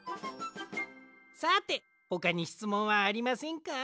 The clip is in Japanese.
さてほかにしつもんはありませんか？